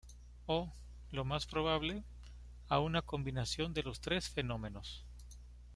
O, lo más probable, a una combinación de los tres fenómenos.